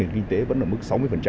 kinh tế vẫn ở mức sáu mươi